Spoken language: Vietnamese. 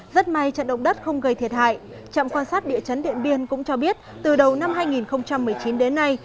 rất may trận động đất không gây thiệt hại trạm quan sát địa chấn điện biên cũng cho biết từ đầu năm hai nghìn một mươi chín đến nay